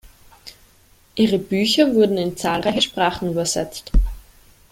Ihre Bücher wurden in zahlreiche Sprachen übersetzt.